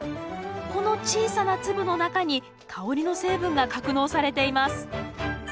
この小さな粒の中に香りの成分が格納されています